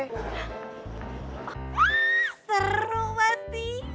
ahhh seru mati